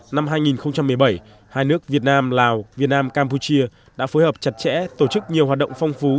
năm hai nghìn một mươi bảy hai nước việt nam lào việt nam campuchia đã phối hợp chặt chẽ tổ chức nhiều hoạt động phong phú